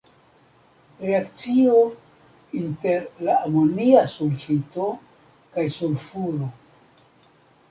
Reakcio inter la amonia sulfito kaj sulfuro.